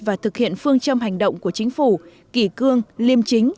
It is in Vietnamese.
và thực hiện phương châm hành động của chính phủ kỷ cương liêm chính